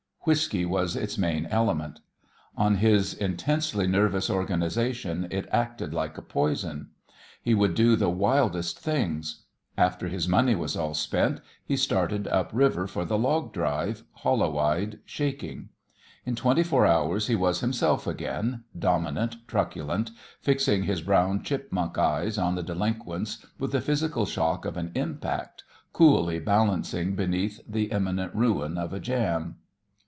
Whiskey was its main element. On his intensely nervous organisation it acted like poison. He would do the wildest things. After his money was all spent, he started up river for the log drive, hollow eyed, shaking. In twenty four hours he was himself again, dominant, truculent, fixing his brown chipmunk eyes on the delinquents with the physical shock of an impact, coolly balancing beneath the imminent ruin of a jam.